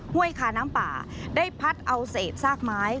ห้วยคาน้ำป่าได้พัดเอาเศษซากไม้